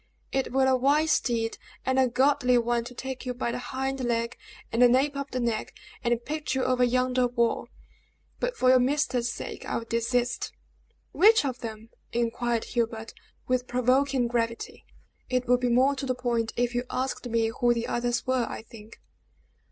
"It were a wise deed and a godly one to take you by the hind leg and nape of the neck, and pitch you over yonder wall; but for your master's sake I will desist." "Which of them?" inquired Hubert, with provoking gravity. "It would be more to the point if you asked me who the others were, I think."